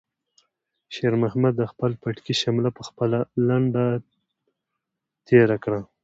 شېرمحمد د خپل پټکي شمله په خپله لنده تېره کړه.